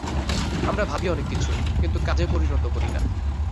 আমরা ভাবি অনেক কিছু, কিন্তু কাজে পরিণত করি না।